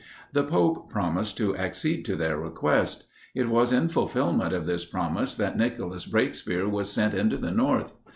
The pope promised to accede to their request. It was in fulfilment of this promise that Nicholas Breakspere was sent into the north.